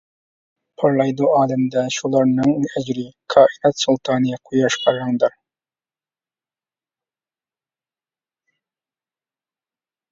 پارلايدۇ ئالەمدە شۇلارنىڭ ئەجرى، كائىنات سۇلتانى —قۇياشقا رەڭدار.